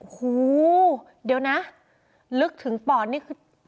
โอ้โหเดี๋ยวนะลึกถึงปอดนี่คือ